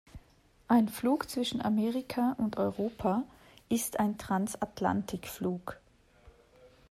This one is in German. Ein Flug zwischen Amerika und Europa ist ein Transatlantikflug.